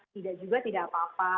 tidak juga tidak apa apa